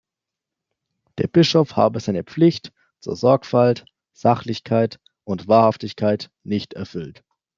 Der Bischof habe seine „Pflicht zur Sorgfalt, Sachlichkeit und Wahrhaftigkeit“ nicht erfüllt.